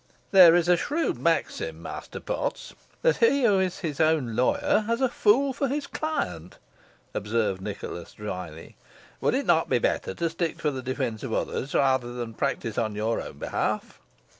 "There is a shrewd maxim, Master Potts, that he who is his own lawyer has a fool for his client," observed Nicholas, drily. "Would it not be better to stick to the defence of others, rather than practise in your own behalf?"